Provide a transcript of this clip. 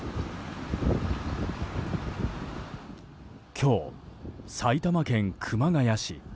今日、埼玉県熊谷市。